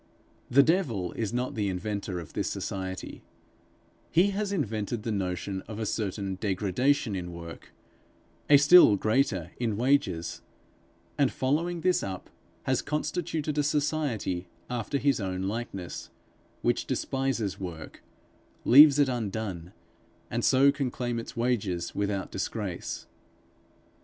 The devil is not the inventor of this society; he has invented the notion of a certain degradation in work, a still greater in wages; and following this up, has constituted a Society after his own likeness, which despises work, leaves it undone, and so can claim its wages without disgrace.